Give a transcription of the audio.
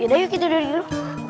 ya udah yuk kita duduk dulu